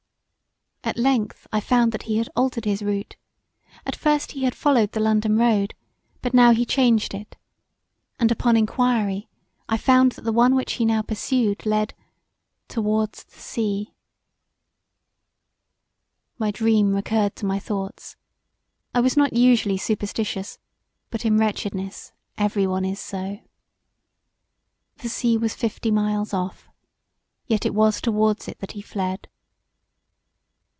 A length I found that he had altered his route; at first he had followed the London road; but now he changed it, and upon enquiry I found that the one which he now pursued led towards the sea. My dream recurred to my thoughts; I was not usually superstitious but in wretchedness every one is so. The sea was fifty miles off, yet it was towards it that he fled.